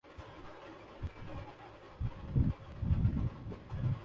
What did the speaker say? کراچی میں P S L کا جادو سر چڑھ کر بولنے لگا